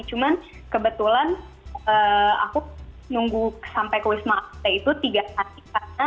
cuman kebetulan aku nunggu sampai ke wisma atlet itu tiga hari